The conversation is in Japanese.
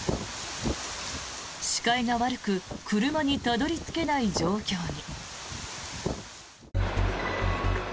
視界が悪く車にたどり着けない状況に。